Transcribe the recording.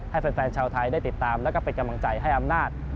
ให้แฟนชาวไทยได้ติดตามแล้วก็เป็นกำลังใจให้อำนาจ